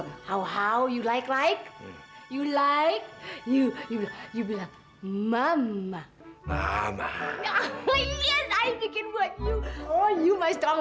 nenek mama udah dong